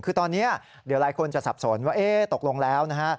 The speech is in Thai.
คือตอนนี้เดี๋ยวหลายคนจะสับสนว่าเอ๊ะตกลงแล้วนะฮะ